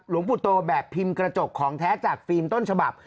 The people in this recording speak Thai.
หลวงปู่โตแบบพิมพ์กระจกของแท้จากฟิล์มต้นฉบับ